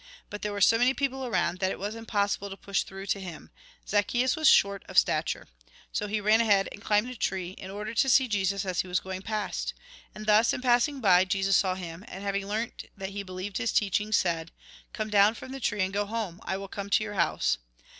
But there were 80 many people around, that it was impossible to push through to him. Zacchjeus was short of stature. So he ran ahead and cHmbed a tree, in X. 22. 24. 25. Lk. xviii. 25. 27. THE FALSE LIFE 87 Lk. xix. 5. 10. Mk. xii. 41. order to see Jesus as he was going past. And thus, in passing by, Jesus saw him, and having learnt that he believed his teaching, said :" Come down from the tree, and go home ; I will come to youi house."